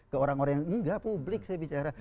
ke orang orang yang enggak publik saya bicara